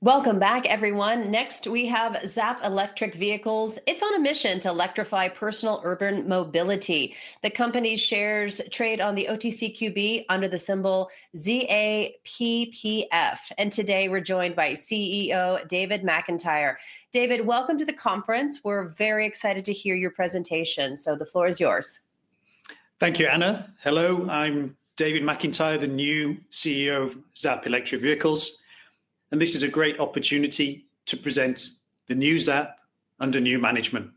Welcome back, everyone. Next, we have Zapp Electric Vehicles. It's on a mission to electrify personal urban mobility. The company shares trade on the OTCQB under the symbol ZAPPF. Today, we're joined by CEO David McIntyre. David, welcome to the conference. We're very excited to hear your presentation. The floor is yours. Thank you, Anna. Hello, I'm David McIntyre, the new CEO of Zapp Electric Vehicles Group Limited. This is a great opportunity to present the new Zapp under new management.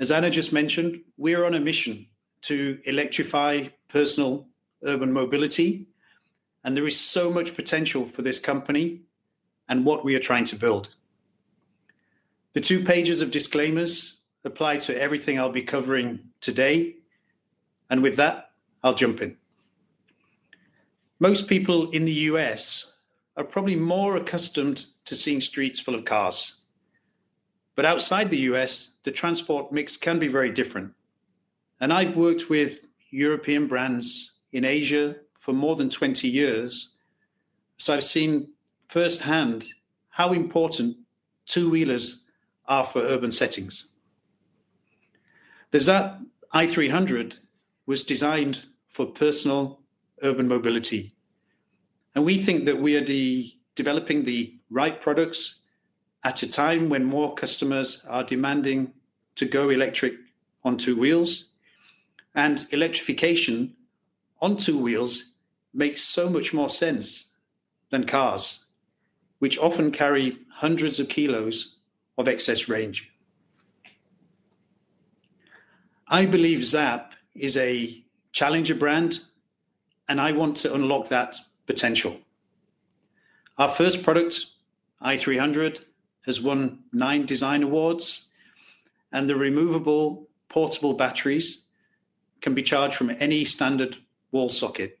As Anna just mentioned, we are on a mission to electrify personal urban mobility. There is so much potential for this company and what we are trying to build. The two pages of disclaimers apply to everything I'll be covering today. With that, I'll jump in. Most people in the U.S. are probably more accustomed to seeing streets full of cars. Outside the U.S., the transport mix can be very different. I've worked with European brands in Asia for more than 20 years. I've seen firsthand how important two-wheelers are for urban settings. The Zapp i300 was designed for personal urban mobility. We think that we are developing the right products at a time when more customers are demanding to go electric on two wheels. Electrification on two wheels makes so much more sense than cars, which often carry hundreds of kilos of excess range. I believe Zapp is a challenger brand. I want to unlock that potential. Our first product, i300, has won nine design awards. The removable portable batteries can be charged from any standard wall socket.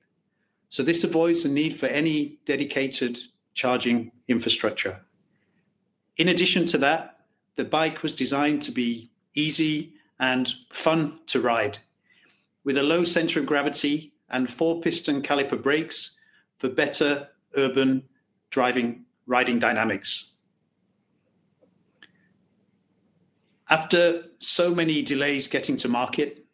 This avoids the need for any dedicated charging infrastructure. In addition to that, the bike was designed to be easy and fun to ride, with a low center of gravity and four-piston caliper brakes for better urban riding dynamics. After so many delays getting to market,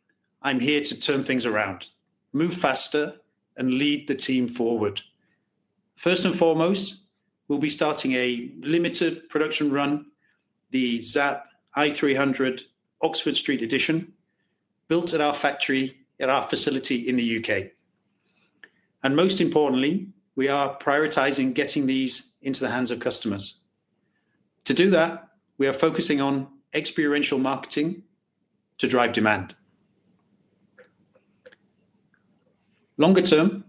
I'm here to turn things around, move faster, and lead the team forward. First and foremost, we'll be starting a limited production run of the Zapp i300 Oxford Street Edition, built at our facility in the UK. Most importantly, we are prioritizing getting these into the hands of customers. To do that, we are focusing on experiential marketing to drive demand. Longer term,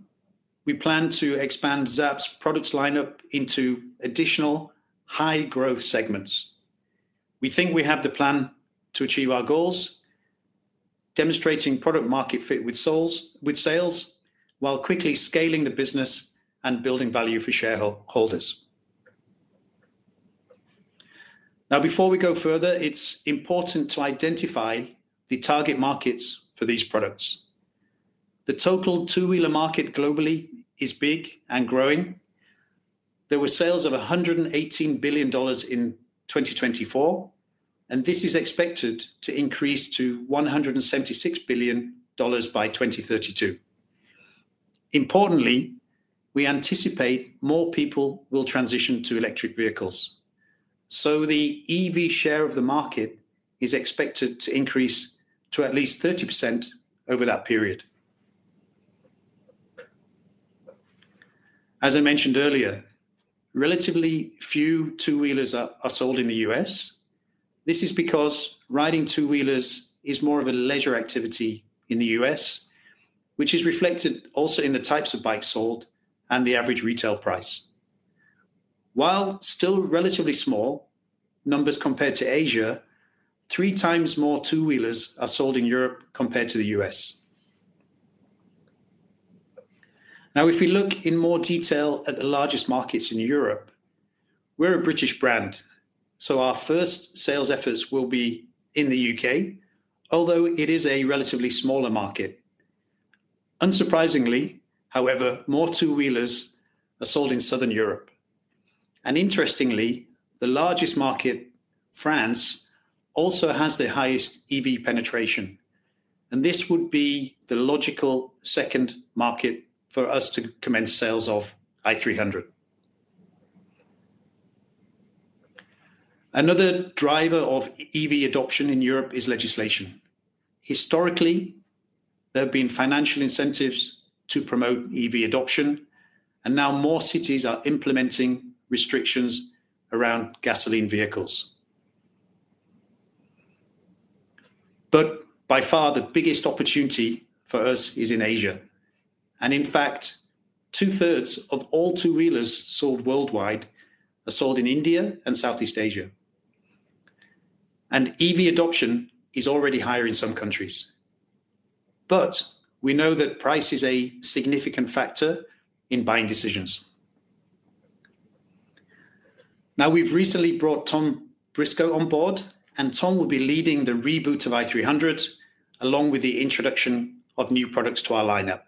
we plan to expand Zapp's product lineup into additional high-growth segments. We think we have the plan to achieve our goals, demonstrating product-market fit with sales, while quickly scaling the business and building value for shareholders. Before we go further, it's important to identify the target markets for these products. The total two-wheeler market globally is big and growing. There were sales of $118 billion in 2024. This is expected to increase to $176 billion by 2032. Importantly, we anticipate more people will transition to electric vehicles. The EV share of the market is expected to increase to at least 30% over that period. As I mentioned earlier, relatively few two-wheelers are sold in the U.S. This is because riding two-wheelers is more of a leisure activity in the U.S., which is reflected also in the types of bikes sold and the average retail price. While still relatively small numbers compared to Asia, three times more two-wheelers are sold in Europe compared to the U.S. If we look in more detail at the largest markets in Europe, we're a British brand, so our first sales efforts will be in the UK, although it is a relatively smaller market. Unsurprisingly, however, more two-wheelers are sold in Southern Europe. Interestingly, the largest market, France, also has the highest EV penetration. This would be the logical second market for us to commence sales of i300. Another driver of EV adoption in Europe is legislation. Historically, there have been financial incentives to promote EV adoption, and now more cities are implementing restrictions around gasoline vehicles. By far, the biggest opportunity for us is in Asia. In fact, two-thirds of all two-wheelers sold worldwide are sold in India and Southeast Asia, and EV adoption is already higher in some countries. We know that price is a significant factor in buying decisions. We've recently brought Tom Briscoe on board, and Tom will be leading the reboot of i300, along with the introduction of new products to our lineup.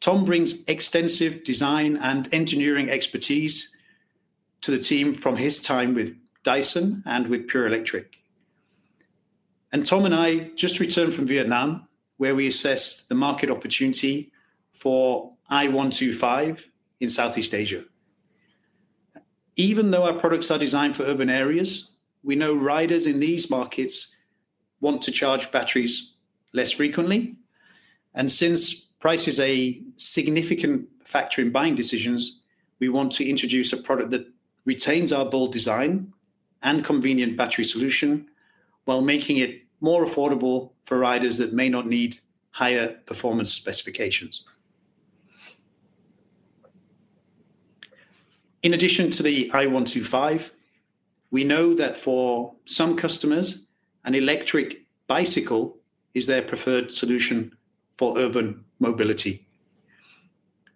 Tom brings extensive design and engineering expertise to the team from his time with Dyson and with Pure Electric. Tom and I just returned from Vietnam, where we assessed the market opportunity for i125 in Southeast Asia. Even though our products are designed for urban areas, we know riders in these markets want to charge batteries less frequently. Since price is a significant factor in buying decisions, we want to introduce a product that retains our bold design and convenient battery solution, while making it more affordable for riders that may not need higher performance specifications. In addition to the i125, we know that for some customers, an electric bicycle is their preferred solution for urban mobility.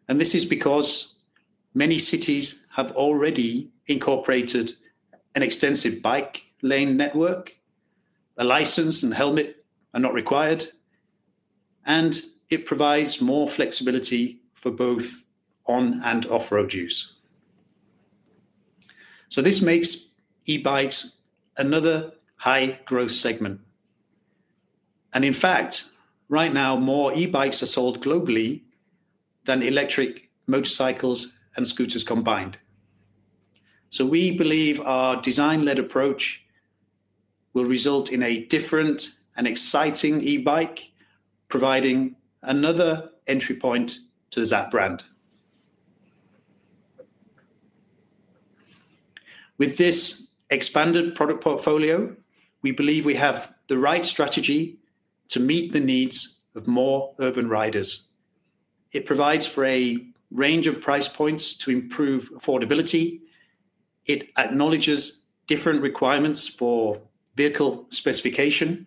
This is because many cities have already incorporated an extensive bike lane network. A license and helmet are not required, and it provides more flexibility for both on- and off-road use. This makes e-bikes another high-growth segment. In fact, right now, more e-bikes are sold globally than electric motorcycles and scooters combined. We believe our design-led approach will result in a different and exciting e-bike, providing another entry point to the Zapp brand. With this expanded product portfolio, we believe we have the right strategy to meet the needs of more urban riders. It provides for a range of price points to improve affordability. It acknowledges different requirements for vehicle specification.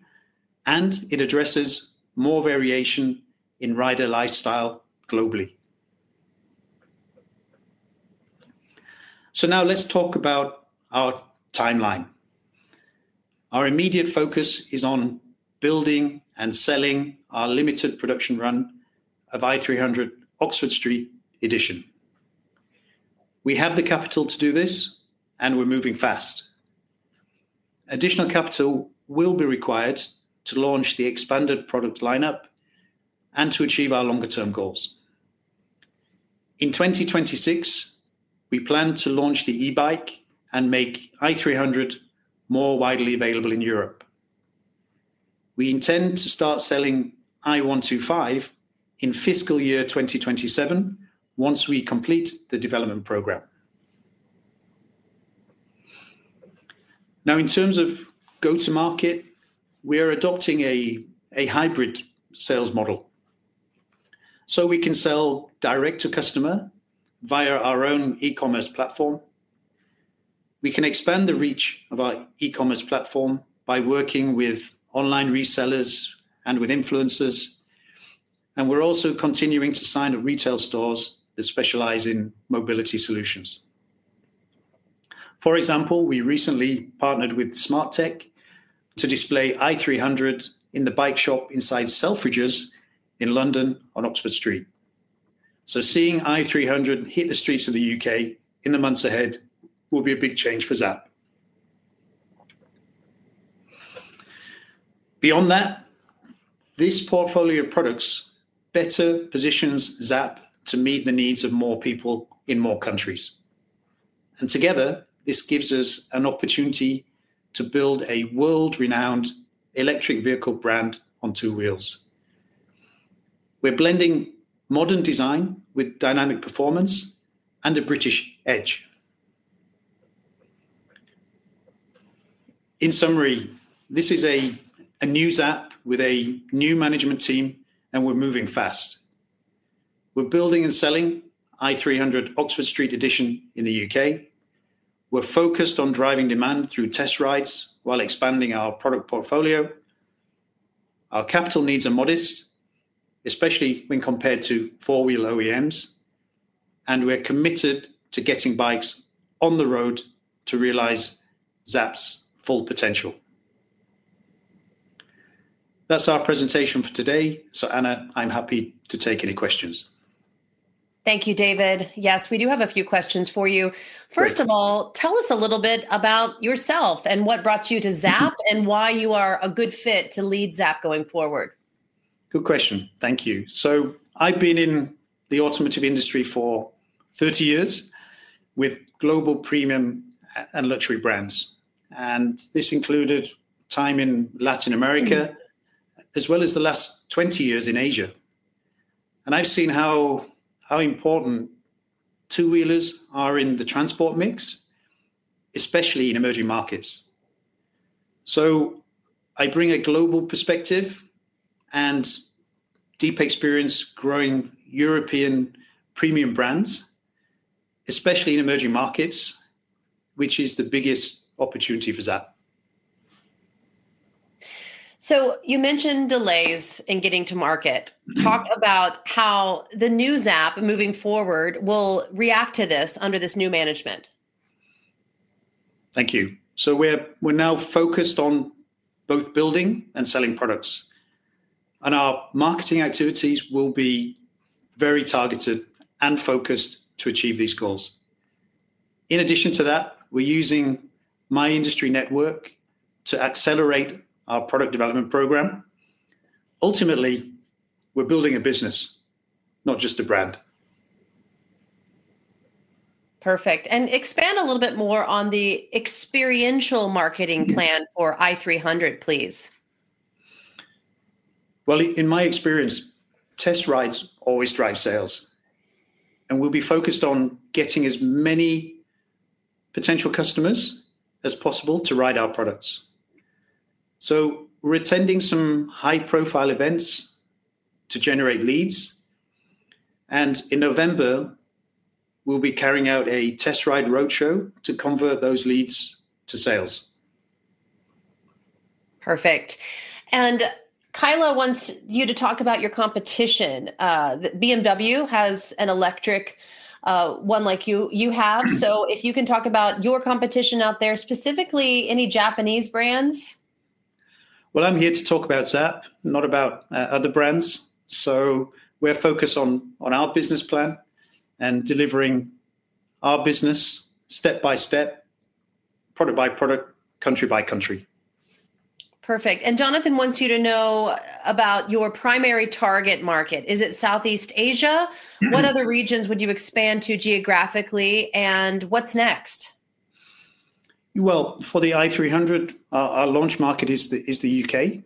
It addresses more variation in rider lifestyle globally. Now, let's talk about our timeline. Our immediate focus is on building and selling our limited production run of i300 Oxford Street Edition. We have the capital to do this, and we're moving fast. Additional capital will be required to launch the expanded product lineup and to achieve our longer-term goals. In 2026, we plan to launch the e-bike and make i300 more widely available in Europe. We intend to start selling i125 in fiscal year 2027, once we complete the development program. In terms of go-to-market, we are adopting a hybrid sales model. We can sell direct to customer via our own e-commerce platform. We can expand the reach of our e-commerce platform by working with online resellers and with influencers. We're also continuing to sign up retail stores that specialize in mobility solutions. For example, we recently partnered with SmartTech to display i300 in the bike shop inside Selfridges in London on Oxford Street. Seeing i300 hit the streets of the UK in the months ahead will be a big change for Zapp. Beyond that, this portfolio of products better positions Zapp to meet the needs of more people in more countries. Together, this gives us an opportunity to build a world-renowned electric vehicle brand on two wheels. We're blending modern design with dynamic performance and a British edge. In summary, this is a new Zapp with a new management team, and we're moving fast. We're building and selling i300 Oxford Street Edition in the UK. We're focused on driving demand through test rides while expanding our product portfolio. Our capital needs are modest, especially when compared to four-wheel OEMs. We're committed to getting bikes on the road to realize Zapp's full potential. That's our presentation for today. Anna, I'm happy to take any questions. Thank you, David. Yes, we do have a few questions for you. First of all, tell us a little bit about yourself and what brought you to Zapp and why you are a good fit to lead Zapp going forward. Good question. Thank you. I've been in the automotive industry for 30 years with global premium and luxury brands. This included time in Latin America, as well as the last 20 years in Asia. I've seen how important two-wheelers are in the transport mix, especially in emerging markets. I bring a global perspective and deep experience growing European premium brands, especially in emerging markets, which is the biggest opportunity for Zapp. You mentioned delays in getting to market. Talk about how the new Zapp moving forward will react to this under this new management. Thank you. We are now focused on both building and selling products, and our marketing activities will be very targeted and focused to achieve these goals. In addition to that, we're using my industry network to accelerate our product development program. Ultimately, we're building a business, not just a brand. Perfect. Please expand a little bit more on the experiential marketing plan for i300. Test rides always drive sales. We'll be focused on getting as many potential customers as possible to ride our products. We're attending some high-profile events to generate leads. In November, we'll be carrying out a test ride roadshow to convert those leads to sales. Perfect. Kyla wants you to talk about your competition. BMW has an electric one like you have. If you can talk about your competition out there, specifically any Japanese brands. I'm here to talk about Zapp, not about other brands. We're focused on our business plan and delivering our business step by step, product by product, country by country. Perfect. Jonathan wants you to know about your primary target market. Is it Southeast Asia? What other regions would you expand to geographically? What's next? For the i300, our launch market is the UK.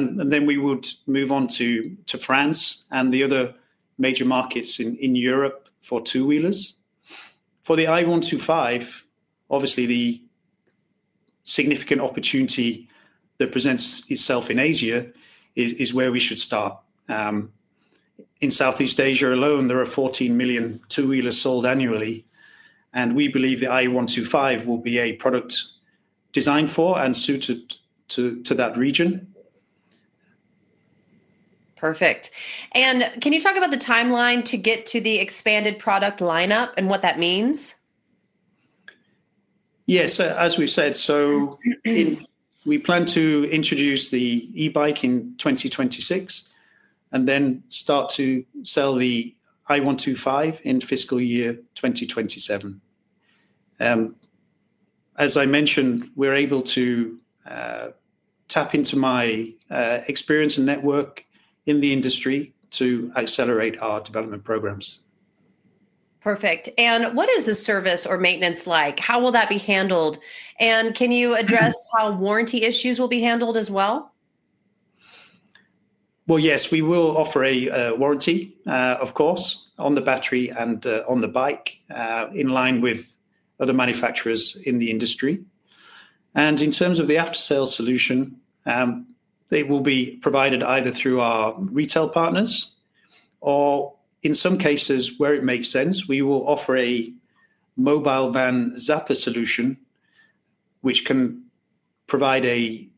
We would move on to France and the other major markets in Europe for two-wheelers. For the i125, obviously, the significant opportunity that presents itself in Asia is where we should start. In Southeast Asia alone, there are 14 million two-wheelers sold annually. We believe the i125 will be a product designed for and suited to that region. Perfect. Can you talk about the timeline to get to the expanded product lineup and what that means? Yes, as we've said, we plan to introduce the e-bike in 2026 and then start to sell the i125 in fiscal year 2027. As I mentioned, we're able to tap into my experience and network in the industry to accelerate our development programs. Perfect. What is the service or maintenance like? How will that be handled? Can you address how warranty issues will be handled as well? Yes, we will offer a warranty, of course, on the battery and on the bike, in line with other manufacturers in the industry. In terms of the after-sales solution, they will be provided either through our retail partners or, in some cases where it makes sense, we will offer a mobile van Zapper solution, which can provide a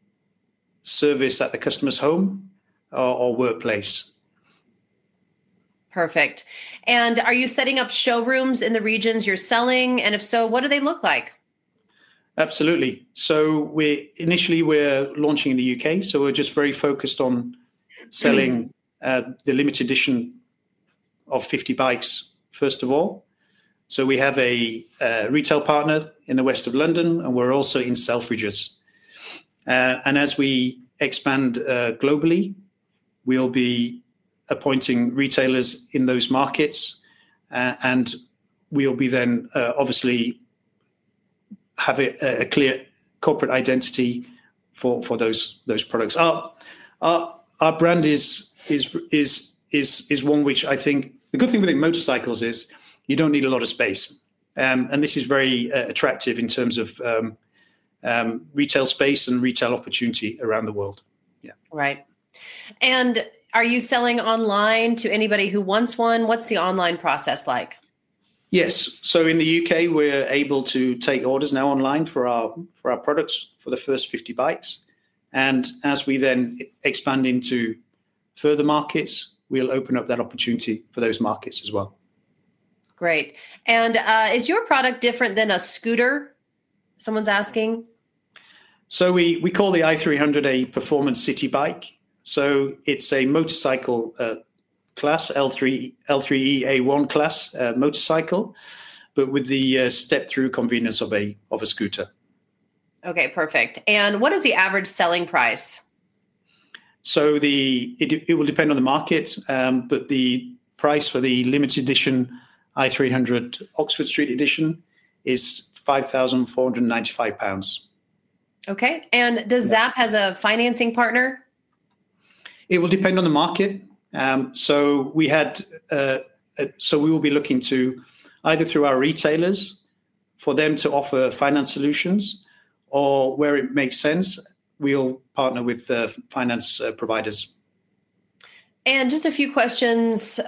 service at the customer's home or workplace. Perfect. Are you setting up showrooms in the regions you're selling? If so, what do they look like? Absolutely. Initially, we're launching in the UK. We're just very focused on selling the limited edition of 50 bikes, first of all. We have a retail partner in the west of London, and we're also in Selfridges. As we expand globally, we'll be appointing retailers in those markets. We'll then obviously have a clear corporate identity for those products. Our brand is one which I think the good thing with motorcycles is you don't need a lot of space. This is very attractive in terms of retail space and retail opportunity around the world. Right. Are you selling online to anybody who wants one? What's the online process like? Yes. In the UK, we're able to take orders now online for our products for the first 50 bikes. As we then expand into further markets, we'll open up that opportunity for those markets as well. Great. Is your product different than a scooter? Someone's asking. We call the i300 a performance city bike. It's a motorcycle class, L3E A1 class motorcycle, but with the step-through convenience of a scooter. OK, perfect. What is the average selling price? It will depend on the market, but the price for the limited edition i300 Oxford Street Edition is £5,495. OK. Does Zapp have a financing partner? It will depend on the market. We will be looking to either, through our retailers, for them to offer finance solutions or, where it makes sense, we'll partner with finance providers. Just a few questions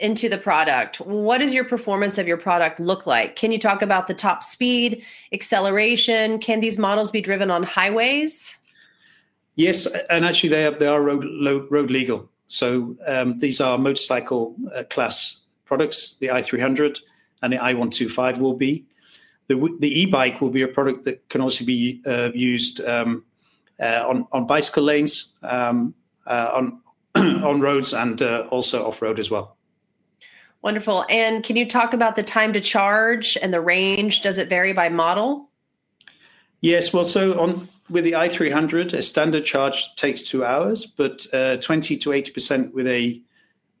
into the product. What does your performance of your product look like? Can you talk about the top speed, acceleration? Can these models be driven on highways? Yes, they are road legal. These are motorcycle class products. The i300 and the i125 will be. The e-bike will be a product that can also be used on bicycle lanes, on roads, and also off-road as well. Wonderful. Can you talk about the time to charge and the range? Does it vary by model? Yes. With the i300, a standard charge takes two hours, but 20% to 80% with a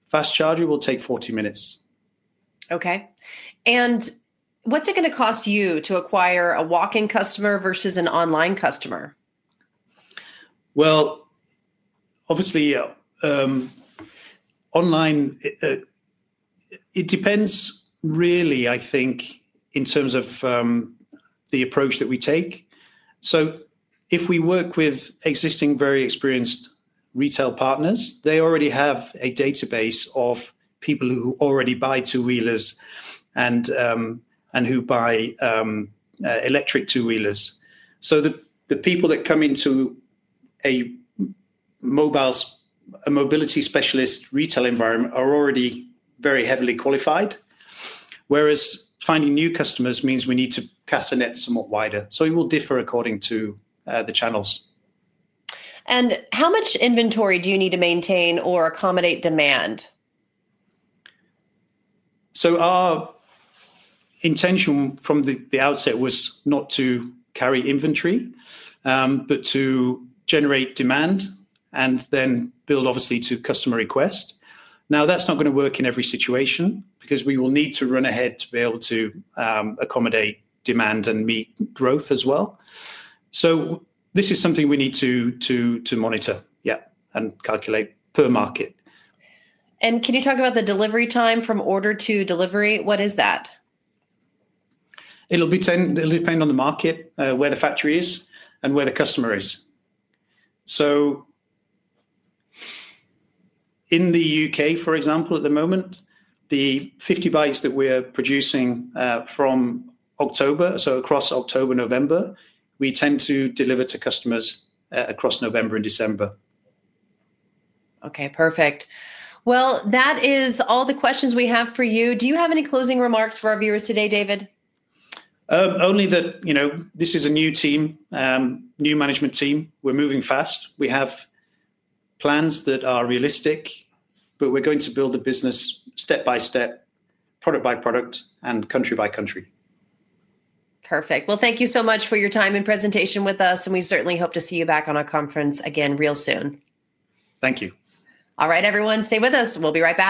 fast charger will take 40 minutes. OK. What's it going to cost you to acquire a walk-in customer versus an online customer? Obviously, online, it depends really, I think, in terms of the approach that we take. If we work with existing very experienced retail partners, they already have a database of people who already buy two-wheelers and who buy electric two-wheelers. The people that come into a mobile mobility specialist retail environment are already very heavily qualified. Whereas finding new customers means we need to cast the net somewhat wider. It will differ according to the channels. How much inventory do you need to maintain or accommodate demand? Our intention from the outset was not to carry inventory, but to generate demand and then build, obviously, to customer request. That is not going to work in every situation because we will need to run ahead to be able to accommodate demand and meet growth as well. This is something we need to monitor and calculate per market. Can you talk about the delivery time from order to delivery? What is that? It'll depend on the market, where the factory is, and where the customer is. In the UK, for example, at the moment, the 50 bikes that we're producing from October, across October and November, we tend to deliver to customers across November and December. OK. Perfect. That is all the questions we have for you. Do you have any closing remarks for our viewers today, David? Only that this is a new team, new management team. We're moving fast. We have plans that are realistic. We're going to build the business step by step, product by product, and country by country. Thank you so much for your time and presentation with us. We certainly hope to see you back on our conference again real soon. Thank you. All right, everyone. Stay with us. We'll be right back.